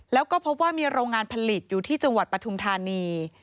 แล้วก็พบว่ามีโรงงานผลิตอยู่ที่จังหวัดปฐุมธานี